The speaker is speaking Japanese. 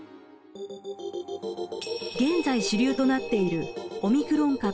現在主流となっているオミクロン株ＢＡ．５。